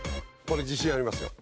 これ自信ありますよ。